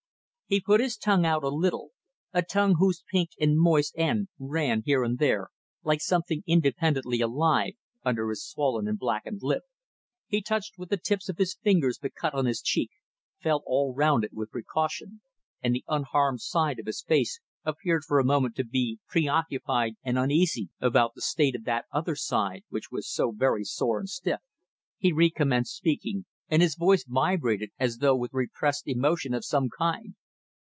He put his tongue out a little; a tongue whose pink and moist end ran here and there, like something independently alive, under his swollen and blackened lip; he touched with the tips of his fingers the cut on his cheek, felt all round it with precaution: and the unharmed side of his face appeared for a moment to be preoccupied and uneasy about the state of that other side which was so very sore and stiff. He recommenced speaking, and his voice vibrated as though with repressed emotion of some kind.